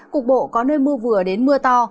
cục bộ có nơi mưa vừa đến mưa to